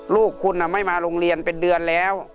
ลูกคุณไม่มาโรงเรียนเป็นเดือนแล้ว